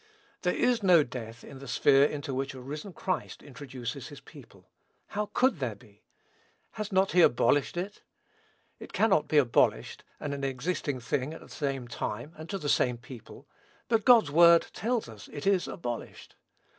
There is no death in the sphere into which a risen Christ introduces his people. How could there be? Has not he abolished it? It cannot be an abolished and an existing thing at the same time and to the same people; but God's word tells us it is abolished.